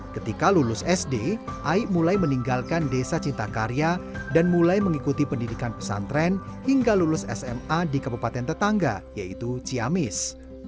ketika lulus sd aik mulai meninggalkan desa cinta karya dan mulai mengikuti pendidikan pesantren hingga lulus sma di kabupaten tetangga yaitu ciamis